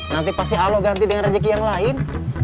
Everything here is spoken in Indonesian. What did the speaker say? nanti pasti allah ganti dengan rejeki yang lain